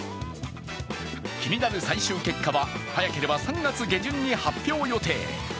気になる最終結果は、早ければ３月下旬に発表予定。